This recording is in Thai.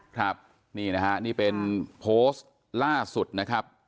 ครับนี่นะฮะนี่เป็นโพสต์ล่าสุดนะครับ